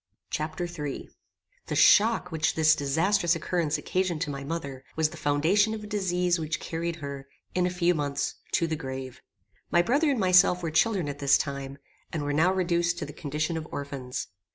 Chapter III The shock which this disastrous occurrence occasioned to my mother, was the foundation of a disease which carried her, in a few months, to the grave. My brother and myself were children at this time, and were now reduced to the condition of orphans.